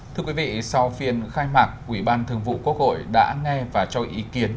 thưa quý vị sau phiên khai mạc ủy ban thường vụ quốc hội đã nghe và cho ý kiến